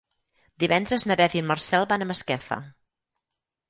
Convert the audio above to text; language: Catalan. Divendres na Beth i en Marcel van a Masquefa.